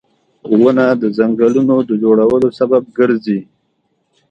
• ونه د ځنګلونو د جوړولو سبب ګرځي